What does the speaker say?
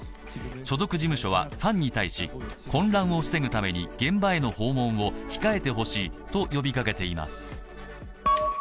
所属事務所はファンに対し混乱を防ぐために現場への訪問を控えてほしいと呼びかけています。